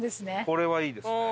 これはいいですね。